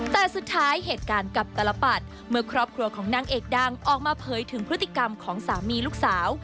แต่สุดท้ายเหตุการณ์กับตลปัดเมื่อครอบครัวของนางเอกดังออกมาเผยถึงพฤติกรรมของสามีลูกสาว